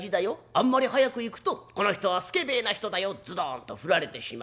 あんまり早く行くとこの人は助平な人だよズドンと振られてしまう。